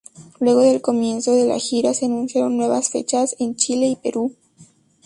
Luego del comienzo de la gira se anunciaron nuevas fechas en Chile y Perú.